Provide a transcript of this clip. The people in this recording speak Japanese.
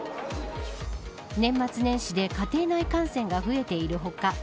年末年始で家庭内感染が増えている他